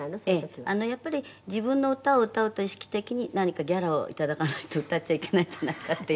「やっぱり自分の歌を歌うと意識的に何かギャラをいただかないと歌っちゃいけないんじゃないかっていうね